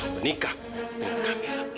kalau want to marry oke